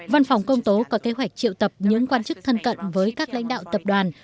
văn phòng công tố có kế hoạch triệu tập những quan chức thân cận với các lãnh đạo tập đoàn